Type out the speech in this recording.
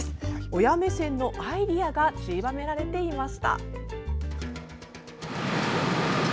親目線のアイデアがちりばめられていました。